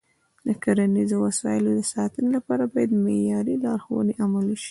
د کرنیزو وسایلو د ساتنې لپاره باید معیاري لارښوونې عملي شي.